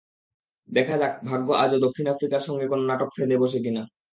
দেখা যাক ভাগ্য আজও দক্ষিণ আফ্রিকার সঙ্গে কোনো নাটক ফেঁদে বসে কিনা।